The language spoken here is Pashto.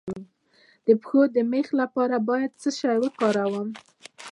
د پښو د میخ لپاره باید څه شی وکاروم؟